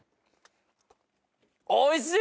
おいしい！